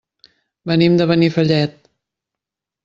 Venim de Benifallet.